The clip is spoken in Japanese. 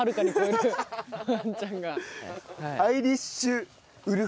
ワンちゃんが。